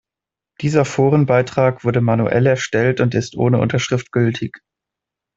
Dieser Forenbeitrag wurde manuell erstellt und ist ohne Unterschrift gültig.